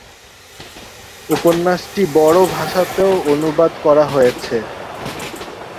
উপন্যাসটি বড়ো ভাষাতেও অনুবাদ করা হয়েছে।